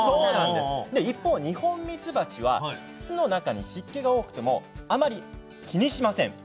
一方ニホンミツバチは巣の中に湿気が多くてもあまり気にしません。